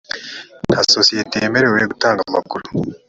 nta sosiyeti yemerewe gutanga amakuru